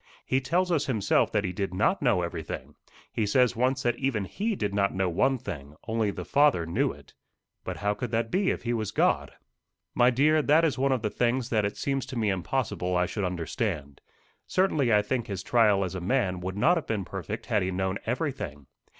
"He tells us himself that he did not know everything. He says once that even he did not know one thing only the Father knew it." "But how could that be if he was God?" "My dear, that is one of the things that it seems to me impossible I should understand. Certainly I think his trial as a man would not have been perfect had he known everything.